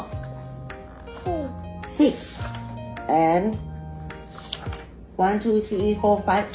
๕แล้วก็๖